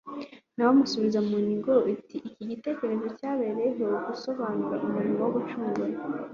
na we amusubiza mu nigo. Iki gitekerezo cyabereyeho gusobanura umurimo wo gucungura;